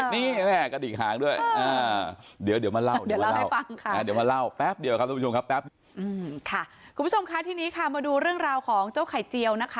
นี่นะครับทุกผู้ชมครับไข่เจียวแล้วก็น้องจูน